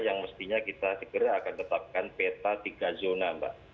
yang mestinya kita segera akan tetapkan peta tiga zona mbak